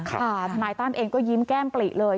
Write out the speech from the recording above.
ค่ะนายต้านเองก็ยิ้มแก้มปลีเลย